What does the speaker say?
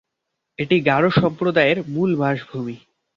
এটি গারো সম্প্রদায়ের মূল বাসভূমি।